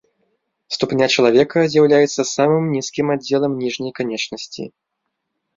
Ступня чалавека з'яўляецца самым нізкім аддзелам ніжняй канечнасці.